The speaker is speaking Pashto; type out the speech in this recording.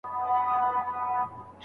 هغوی پرون شکایت ونکړ.